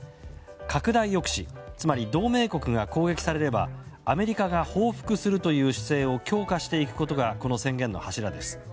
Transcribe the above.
拡大抑止、つまり同盟国が攻撃されればアメリカが報復するという姿勢を強化していくことがこの宣言の柱です。